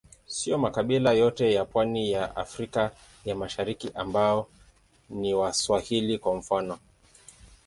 Siyo makabila yote ya pwani ya Afrika ya Mashariki ambao ni Waswahili, kwa mfano.